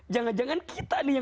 jangan jangan kita nih yang